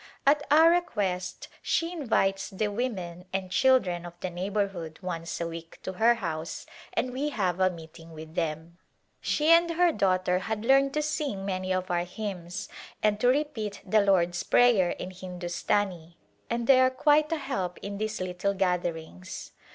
At our request she invites the women and children of the neighborhood once a week to her house and we have a meeting with them. She and her daughter had learned to sing many of our hymns and to repeat the Lord's Prayer in Hindustani and they are quite a help in these little gatherings.